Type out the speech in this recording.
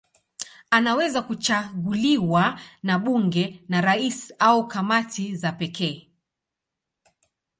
Anaweza kuchaguliwa na bunge, na rais au kamati za pekee.